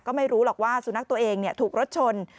ก็ไม่รู้หรอกว่าสุนัขตัวเองถูกรถชน